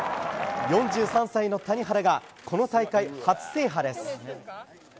４３歳の谷原がこの大会初制覇です。